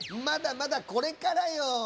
まだまだこれからよ！